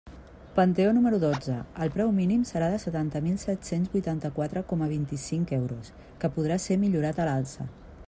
Panteó número dotze: el preu mínim serà de setanta mil set-cents vuitanta-quatre coma vint-i-cinc euros, que podrà ser millorat a l'alça.